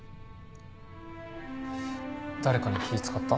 誰かに気使った？